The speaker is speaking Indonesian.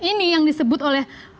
ini yang disebut oleh